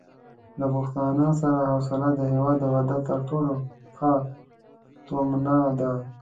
له پښتانه سره حوصله د هېواد د وحدت تر ټولو ښه تومنه ده.